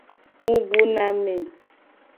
Mu bu na me.